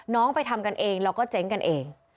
ไปทำกันเองแล้วก็เจ๊งกันเอง